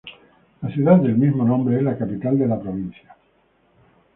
La ciudad del mismo nombre es la capital de la provincia.